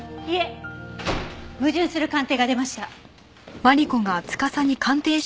いえ矛盾する鑑定が出ました。